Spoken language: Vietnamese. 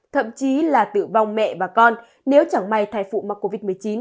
thậm chí là tử vong mẹ và con nếu chẳng may thai phụ mắc covid một mươi chín